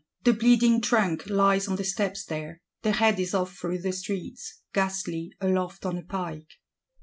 The bleeding trunk lies on the steps there; the head is off through the streets; ghastly, aloft on a pike.